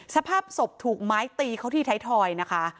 สภาพศพถูกไม้ตีเขาที่ไทยทอยนะคะ